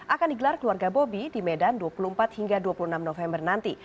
akan digelar keluarga bobi di medan dua puluh empat hingga dua puluh enam november nanti